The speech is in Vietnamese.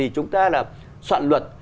chúng ta là soạn luật